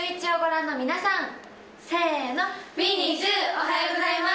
おはようございます。